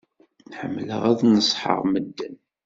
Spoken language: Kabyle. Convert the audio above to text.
Ḥemmleɣ ad neṣḥeɣ medden.